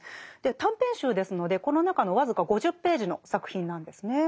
短編集ですのでこの中の僅か５０ページの作品なんですね。